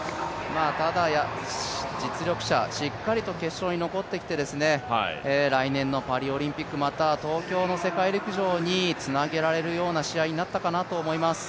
ただ、実力者、しっかりと決勝に残ってきて、来年のパリオリンピック、また東京の世界陸上につなげられるような試合になったかなと思います。